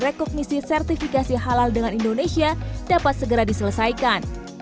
rekognisi sertifikasi halal dengan indonesia dapat segera diselesaikan